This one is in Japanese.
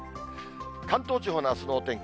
関東地方のあすのお天気。